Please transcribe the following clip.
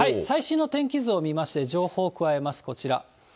最新の天気図を見まして、情報を加えます、こちら。